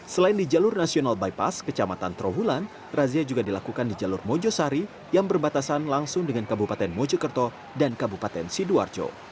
selain di jalur nasional bypass kecamatan trawulan razia juga dilakukan di jalur mojosari yang berbatasan langsung dengan kabupaten mojokerto dan kabupaten sidoarjo